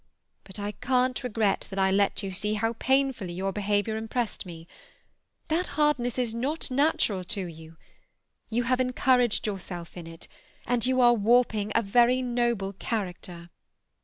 But I can't regret that I let you see how painfully your behaviour impressed me. That hardness is not natural to you. You have encouraged yourself in it, and you are warping a very noble character."